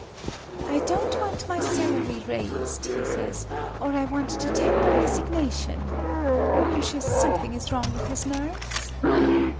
"I don't want my salary raised, he says, or I want to tender resignation,—I'm sure something is wrong with his nerves."